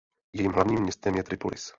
Jejím hlavním městem je Tripolis.